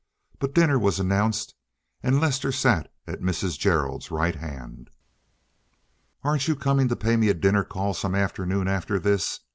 But dinner was announced and Lester sat at Mrs. Gerald's right hand. "Aren't you coming to pay me a dinner call some afternoon after this?"